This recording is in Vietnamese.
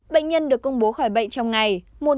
bệnh nhân được công bố khỏi bệnh trong ngày một bảy mươi ba